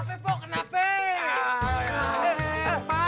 eh kenapa pok kenapa